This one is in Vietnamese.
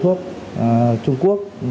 thuốc trung quốc